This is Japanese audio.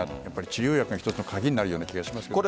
治療薬が一つの鍵になる気がします。